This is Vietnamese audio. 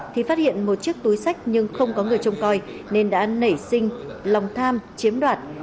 thì phát hiện một chiếc túi sách nhưng không có người trông coi nên đã nảy sinh lòng tham chiếm đoạt